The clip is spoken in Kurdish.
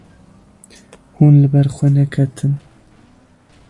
Hûn li ber xwe neketin.